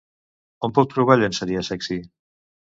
On puc trobar llenceria sexi?